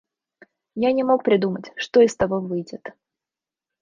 Я не мог придумать, что из того выйдет.